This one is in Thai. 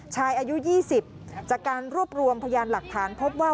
ชายอายุยี่สิบจากการรวบรวมพยานหลักฐานพบว่า